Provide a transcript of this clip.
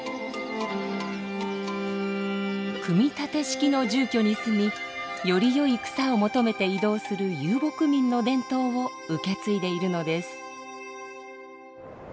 組み立て式の住居に住みよりよい草を求めて移動する遊牧民の伝統を受け継いでいるのです。